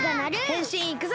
へんしんいくぞ！